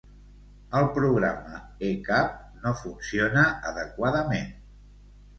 El programa e-CAP no funciona adequadament.